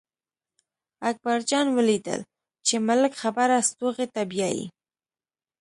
اکبر جان ولیدل چې ملک خبره ستوغې ته بیايي.